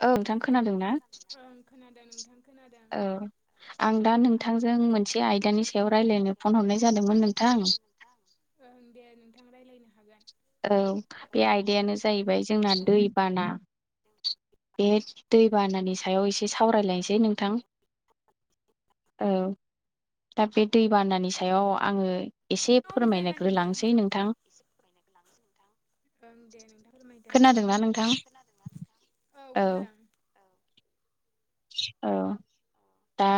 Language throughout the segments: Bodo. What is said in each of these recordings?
औ नोंथां खोनादों ना? औ आं दा नोंथांजों मोनसे आयदानि सायाव रायज्लायनो फन हरनाय जादोंमोन नोंथां। औ बे आयदायानो जाहैबाय जोंना दैबाना। बे दैबानानि सायाव एसे सावरायलायनोसै नोंथां। औ दा बे दै बानानि सायाव आङो एसे फोरमायग्रोलांसै नोंथां। ओं दे नोंथां फोरमायदो होमबालाय। खोनादों ना नोंथां? औ खोनादों। औ दा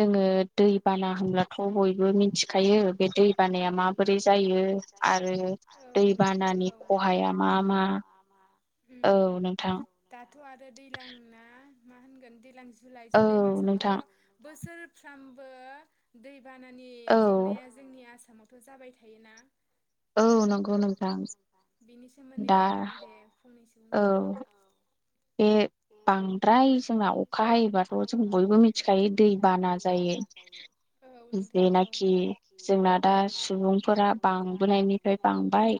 जोङो दैबाना होनब्लाथ' बयबो मिथिखायो। बे दै बानाया माबोरै जायो। आरो दैबानानि खहाया मा मा औ नोंथां। औ दाथ' आरो दैज्लां ना? मा होनगोन दैज्लां जुलाइ जुलाइ मासावथ' बोसोरफ्रामबो दै बानानि जेंनाया जोंनि आसामावथ' जाबाय थायोना। औ नंगौ नोंथां दा औ बे बांद्राय जोंना अखा हायोबाथ' जों बयबो मिथिखायो दै बाना जायो। जेनाखि जोंना दा दा सुबुंफोरा बांबोनायनिफ्राय बांबाय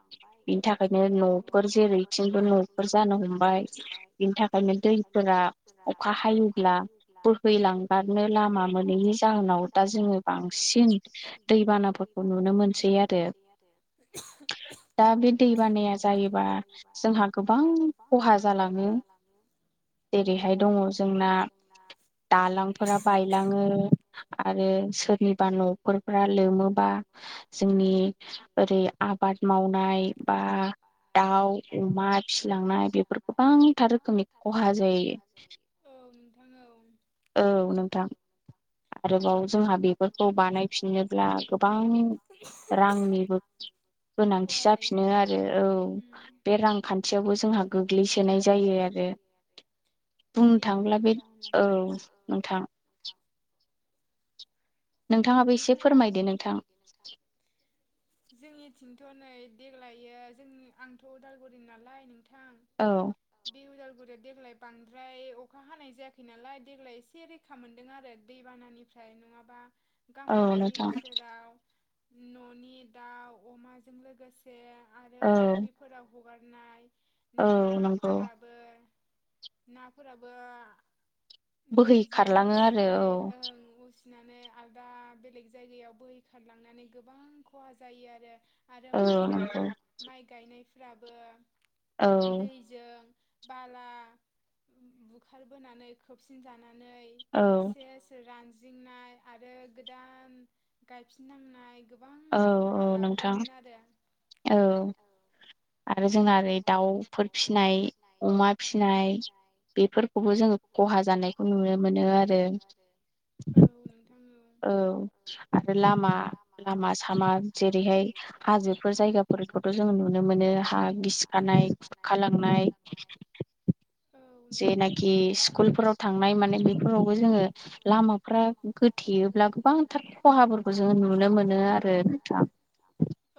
बिनि थाखायनो न'फोर जेरै बिथिंबो न'फोर जानो हमबाय बिनि थाखायनो दैफोरा अखा हायोब्ला बोहैलांगारनो लामा मोनैनि जाहोनाव दा जोङो बांसिन दै दैबानाफोरखौ नुनो मोनसै आरो। [unintelligible] दा बे दै बानाया जायोबा जोंहा गोबां खहा जालाङो। जेरैहाय दङ जोंना दालांफोरा बायलाङो आरो सोर निबा न'खरफ्रा लोमोबा जोंनि ओरै आबाद मावनाय बा दाउ अमा फिलांनाय बेफोर गोबांथार [unintelligible] खहा जायो। [inaudible] औ नोंथां आरोबाव जोंहा बेफोर खौ बानायफिननोब्ला गोबां रांनिबो गोनांथि जाफिनो आरो औ बे रांखान्थियावबो जोंहा गोग्लैसोनाय जायो आरो। [unintelligible] बुंनो थाङोब्ला बे औ नोंथां। नोंथाङा इसे फोरमायदो नोंथां जोंनि एथिंथ' नै देग्लायो जों आंथ' उदालगुरिनि नालाय नोंथां। औ। उदालगुरियाव देग्लाय बांद्राय अखा हानाय जायाखै नालाय देग्लाय एसे रेखा मोनदों आरो दैबा न'निफ्राय नङाबा गामाखालि बोसोराव न'नि दाउ अमाजों लोगोसे आरो फुख्रिफोराव हगारनाय नाफोराबो नाफोराबो दैजों उसिनानै ओं उसि नानै आलदा बेलेग जायगायाव बोहैखारलांनानै गोबां खहा जायो आरो आरो माइ गाय माइ गायनायफ्राबो दैजों बाला बुखारबोनानै खोबसिन जाना नै सेस रानजिंनाय। आरो गोदान गायफिननांनाय। गोबां खहा लाबोदोंमोन आरो [unintelligible] आरो जोंना ओरै दाउफोर फिनाय अमा फिनाय बेफोरखौबो जोङो खहा जानायखौ नुनो मोनो आरो। औ नोंथां। औ आरो लामा लामा सामा जेरैहाय हाजोफोर जायगा फोरखौथ' जों नुनो मोनो हा गिसिखानाय खुरखालांनाय जेनाखि स्कुलफोराव थांनाय माने बेफोरावबो जोङो लामाफ्रा गोथेयो ब्ला गोबांथार खहाफोरखौ जोङो नुनो मोनो आरो नोंथां।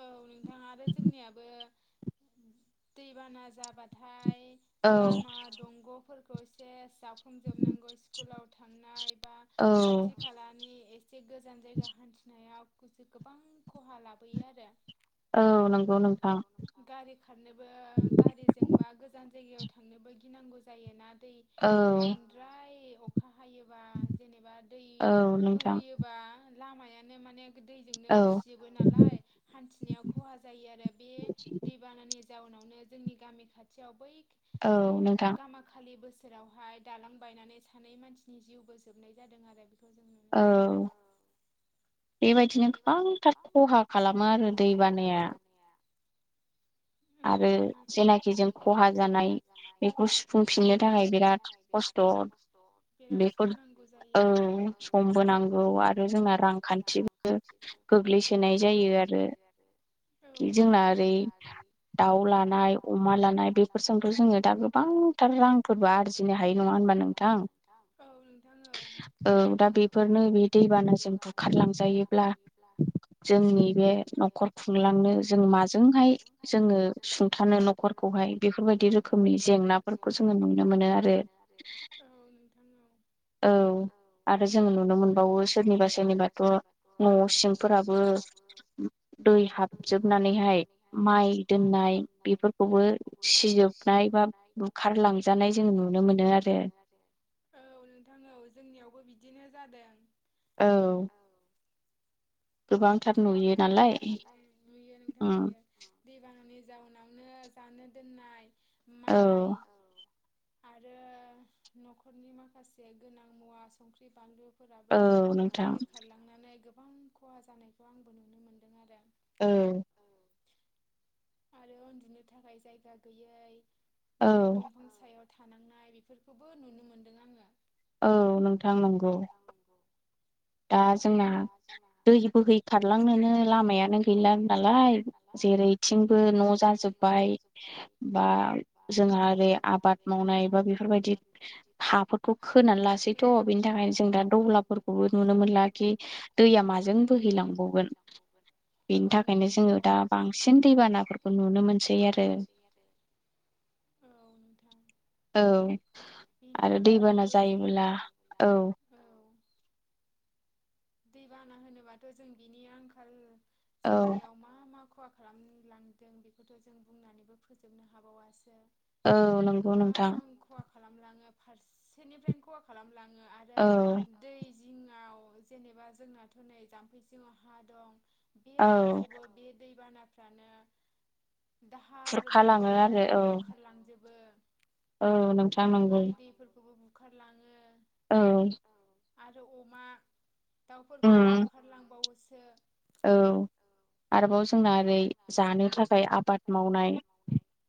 औ नोंथां आरो जोंनियाबो दैबाना जाबाथाय लामा दंग'फोरखौ सेस जावफुंजोबनांगौ स्कुलाव थांनाय बा खाथि खालानि ए से गोजान जायगा हान्थिनायाव गोबां खहा लाबोयो आरो। औ नोंगौ नोंथां। थांनोबो गारिजों बा गोजान जायगायाव थांनोबो गिनांगौ जायोना। दै बांद्राय अखा हायोबा जेनेबा दै बोहैयोबा लामायानो माने दैजोंनो उसियोबो नालाय हान्थिनायाव खहा जायो आरो बे दै बानानि जाउनावनो जोंनि गामि खाथियाव बै गामा खालि बोसोर जेरावहाय दालां बायनानै सानै मानसिनि जिउबो जोबनाय जादों आरो बेखौ जों औ। [inaudible] बेबायदिनो गोबांथार खहा खालामो आरो दै बानाया। [unintelligible] आरो जेनाखि जों खहा जानाय बेखौ सुफुंफिननो थाखाय बिराद खस्थ' [unintelligible] औ समबो नांगौ आरो जोंना रां खान्थिबो गोग्लैसोनाय जायो आरो [unintelligible] जोंना ओरै दाउ लानाय अमा लानाय बेफोरजोंथ' जोङो दा गोबांथार रांफोरबो आरजिनो हायो नङ होनबा नोंथां औ दा बेफोरनो बे दैबानाजों बुखारलांजायो। बिब्ला जोंनि बे न'खर खुंलांनो जों माजोंहाय जोङो सुंथानो न'खरखौहाय बेफोरबायदि रोखोमनि जेंनाफोरखौ जोङो नुनो मोनो आरो। औ नोंथां औ औ आरो जोङो नुनो मोनबावो सोरनिबा सोरनिबाथ' न' सिंफोराबो दै हाबजोबनानैहाय माइ दोननाय बेफोरखौबो सिजोबनाय बा बुखारलांजानाय जों नु- औ नोंथां औ जोंनियावबो बिदिनो जादों। औ [unintelligible] नुयो नालाय नुयो नोंथां नुयो दै बानि जाउनावनो जानो दोननाय माइ आरो न'खरनि माखासे गोनां मुवा संख्रि बानलु फोराबो बोहै खारलांनानै गोबां खहा जानायखौ आंबो नुनो मोनदों आरो। औ आरो उन्दुनो थाखाय जायगा गैयै माबा दंफां सायाव थानांनाय बेफोरखौबो नुनो मोनदों आङो। औ नोंथां नंगौ दा जोंना दै बोहै खारलांनोनो लामायानो गैला नालाय जेरैथिंबो न' जाजोब्बाय बा जोंहा ओरै आबाद मावनाय बा बेफोरबायदि हाफोरखौ खोनानै लासैथ' बिनि थाखायनो जों दा दहलाफोरखौबो नुनो दैआ माजों बोहैावोन बेनि थाखायनो जोङो दा बांसिन दैबानाफोरखौ नुनो मोनसै आरो। औ आरो दैबाना जायोब्ला औ दै बाना होनोबाथ' जों बिनि आंखाल जोंनियाव मा मा खहा खालामलांदों बेखौथ' जों बुंनानैबो फोजोबनो हाबावासो औ नंगौ नोंथां। खालाम लाङो फारसेनिफ्रायनो खहा खालामलाङो आरो दै। जेनेबा जोंनाथ' नै जामफै सिङाव हा दं बे हाखौबो बे दैबाना फ्रानो दाहार बोहैलांनानै बुखारलांजोबो औ नोंथां नंगौ बुखारलाङो औ आरो अमा दाउफोरखौबो बुखारलांबावोसो औ आरोबाव जोंना ओरै जानो थाखाय आबाद मावनाय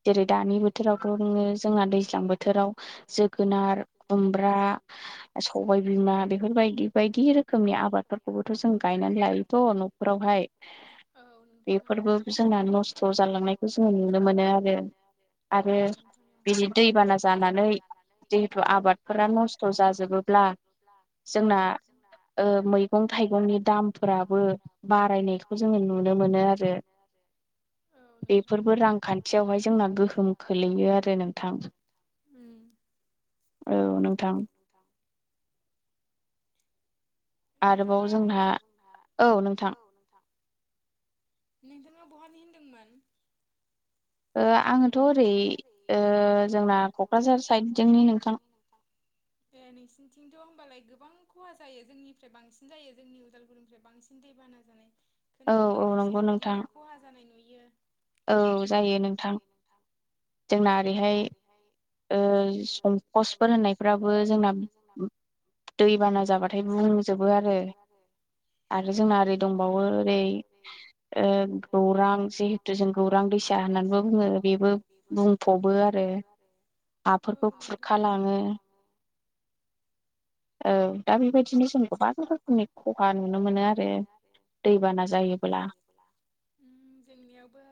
जेरै दानि बोथोरावथ' नोङो जोंना दैज्लां बोथोराव जोगोनार खुमब्रा सबायबिमा बेफोरबायायदि बायदि रोखोम रोखोमनि आबादफोरखौबोथ' जों गायनानै लायोथ' न'खरावहाय। बेफोरबो जोंना नस्थ' जालांनायखौ जोङो नुनो मोनो आरो आरो बिदि दैबाना जानानै जिहेथु आबादफोरा नस्थ' जाजोबोब्ला जोंना मैगं थाइगंनि दामफोराबो बारायनायखौ जोङो नुनो मोनो आरो। बेफोरबो रांखान्थियावहाय जोंना गोहोम खोलैयो आरो नोंथां। औ नोंथां। आरोबाव जोंहा औ नोंथां। नोंथाङा बहानि होनदोंमोन। आङोथ' ओरै जोंना क'क्राझार साइदजोंनि नोंथां ए नोंसिनिथिंथं होमबालाय गोबां खहा जायो जोंनिफ्राय बांसिन जायो जोंनि उदालगुरिनिफ्राय बांसिन दै बाना जानाय। खोनायो नोंसिनि बिदिनो खहा जानाय नुयो औ थां जोंना ओरैहाय ओ संकसफोर होननायफ्राबो जोंना दैबाना जाबाथाय बुंजोबो आरो आरो जोंना ओरै दंबावो ओरै ओ गौरां जिहेथु जों गौरां दैसा होनना फैसा मोनबा बेबो बुंफबो आरो हाफोरखौ खुरखालाङो औ दा बेबायदिनो जों गोबां रोखोमनि खहा नुनो मोनो आरो दै दैबाना जायोब्ला जोंनियावबो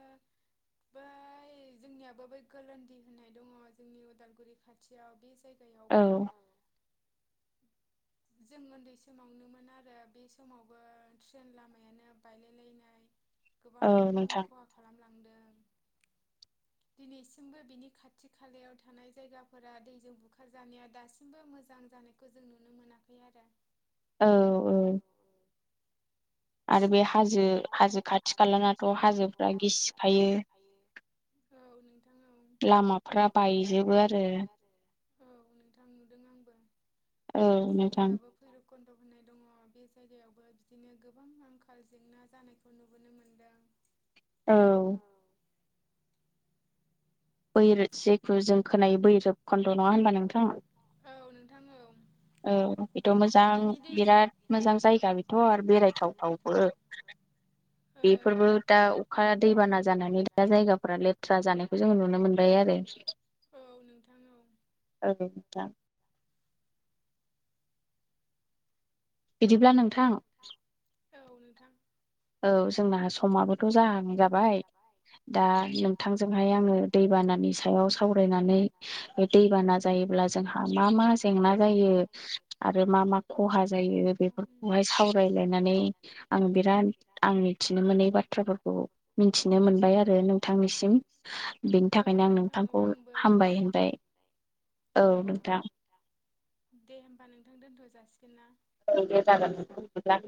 बै जोंनियाबो बै गोरोन्दै होननाय दङ जोंनि उदालगुरि खाथियाव बे जायगायावबो [inaudible] जों उन्दै समावनोमोन आरो बे समावबो ट्रेन लामायानो बायलायलायनाय गोबां खहा खालाम [inaudible] दिनैसिमबो बिनि खाथि खालायाव थानाय जायगाफोरा दैजों बुखारजानाया दासिमबो मोजां मोजां जानायखौ जों नुनो मोनाखै आरो औ औ आरो बे हाजो हाजो खाथि खालाानथ' हाजोफ्रा गिसिखायो [inaudible] लामाफ्रा बायजोबो आरो औ नोंथां नुदों आंबो औ नोथां खन्द' होननाय दङ बे जायगायावबो बिदिनो गोबां रांखावरि आंखाल जेंना जानायखौ नुबोनो मोनदों औ बैरोस जेखौ जों खोनायो बैराखन्द' नङा होनबा नोंथां औ नोंथां [inaudible] औ बेथ' मोजां बिराद मोजां जायगा बेथ' आरो बेरायथावथावबो बेफोरबो दा अखा दैबाना जानानै दा जायगाफोरा लेथ्रा जानायखौ जोङो नुनो मोनबाय आरो औ थां बिदिब्ला नोंथां औ नोंथां औ जोंना समाबोथ' जाहां जाबाय दा नोंथांजोंहाय आङो दैबानानि सायाव सावरायनानै बे दैबाना जायोबा अब्ला जोंहा मा मा जेंना जायो आरो मा मा खहा जायो बेफोरखौ हाय सावरायलायनानै आं बिराद आं मिथिनो मोनै बाथ्राफोरखौ मिथिनो मोनबाय आरो नोंथांनिसिम बेनि थाखाय ओंखायनो आं नोंथांखौ हामबाय होनबाय औ नोंथां दे होमबा नोंथां दोनथ' जालांसिगोन ओं दे जागोन बिदिब्ला।